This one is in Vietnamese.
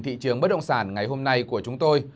thị trường bất động sản ngày hôm nay của chúng tôi